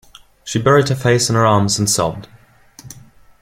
She buried her face in her arms and sobbed.